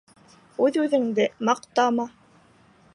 Үҙ-үҙенде маҡтама